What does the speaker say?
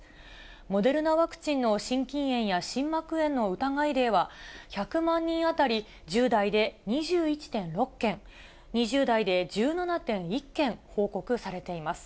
モデルナワクチンの心筋炎や心膜炎の疑い例は、１００万人当たり１０代で２１．６件、２０代で１７．１件報告されています。